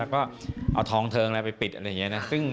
แล้วก็เอาทองเทิงไปปิดอะไรอย่างนี้นะ